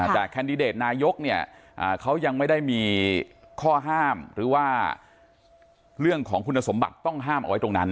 แต่แคนดิเดตนายกเนี่ยเขายังไม่ได้มีข้อห้ามหรือว่าเรื่องของคุณสมบัติต้องห้ามเอาไว้ตรงนั้น